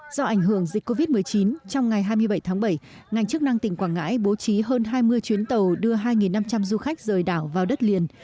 do ảnh hưởng dịch covid một mươi chín trong ngày hai mươi bảy tháng bảy ngành chức năng tỉnh quảng ngãi bố trí hơn hai mươi chuyến tàu đưa hai năm trăm linh du khách rời đảo vào đất liền